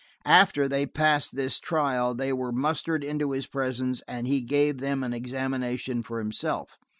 After, they passed this trial they were mustered into his presence, and he gave them an examination for himself.